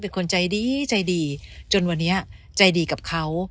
เป็นคนใจดีใจดีจนวันนี้ใจดีกับเขา